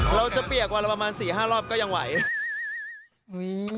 เราจะเปียกว่าเราประมาณ๔๕รอบก็ยังไหว